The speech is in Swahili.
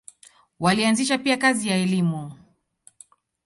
Walianzisha pia kazi ya elimu.